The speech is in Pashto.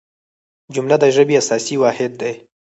جمله د ژبي اساسي واحد دئ.